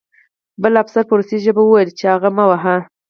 بل افسر په روسي ژبه وویل چې هغه مه وهه